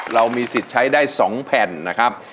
เรามีสิทธิ์ใช้ได้๒แผ่นนะครับ